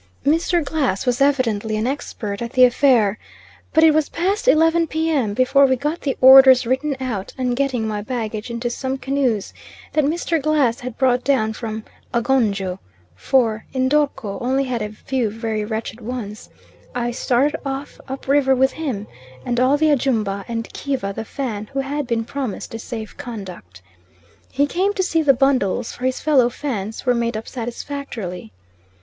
Mr. Glass was evidently an expert at the affair, but it was past 11 p.m. before we got the orders written out, and getting my baggage into some canoes, that Mr. Glass had brought down from Agonjo, for N'dorko only had a few very wretched ones, I started off up river with him and all the Ajumba, and Kiva, the Fan, who had been promised a safe conduct. He came to see the bundles for his fellow Fans were made up satisfactorily.